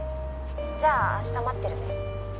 じゃあ明日待ってるね。